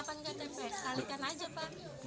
kalikan aja pak